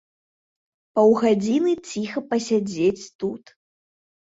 Паўгадзіны ціха пасядзець тут.